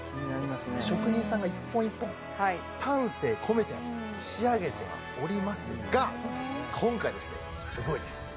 職人さんが１本１本丹精込めて仕上げておりますが今回ですね